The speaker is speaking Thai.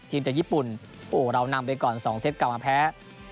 จากญี่ปุ่นโอ้โหเรานำไปก่อน๒เซตกลับมาแพ้